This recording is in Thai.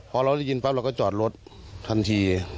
พอเราได้ยินปั๊บเราก็จอดรถทันที